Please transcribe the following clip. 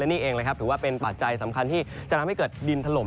นี่เองเลยครับถือว่าเป็นปัจจัยสำคัญที่จะทำให้เกิดดินถล่ม